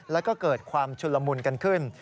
แล้วก็เกิดความชุนละมุนกันขึ้น